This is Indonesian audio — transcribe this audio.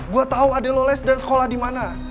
gue tau adil lo les dan sekolah dimana